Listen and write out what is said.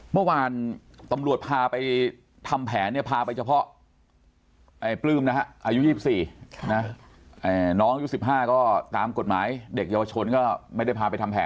เมื่อวานตำรวจพาไปทำแผนเนี่ยพาไปเฉพาะปลื้มนะฮะอายุ๒๔นะ